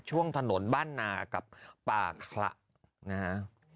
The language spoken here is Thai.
ช่วงถนนบ้านนากับป่าขละนะฮะ